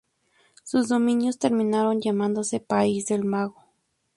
Sus dominios terminaron llamándose País del Mago.